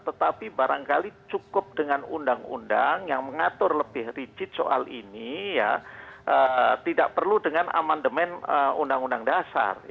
tetapi barangkali cukup dengan undang undang yang mengatur lebih rigid soal ini ya tidak perlu dengan amandemen undang undang dasar